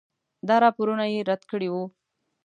دا راپورونه یې رد کړي وو.